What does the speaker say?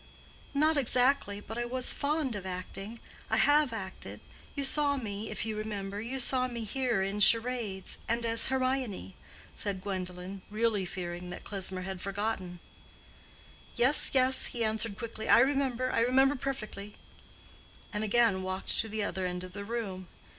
"Not exactly: but I was fond of acting. I have acted; you saw me, if you remember—you saw me here in charades, and as Hermione," said Gwendolen, really fearing that Klesmer had forgotten. "Yes, yes," he answered quickly, "I remember—I remember perfectly," and again walked to the other end of the room.